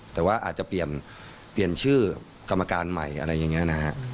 แต่ว่าอาจจะเปลี่ยนชื่อกรรมการใหม่อะไรอย่างนี้นะฮะ